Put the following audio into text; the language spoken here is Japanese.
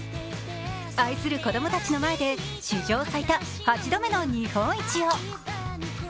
愛する子供たちの前で史上最多８度目の日本一を。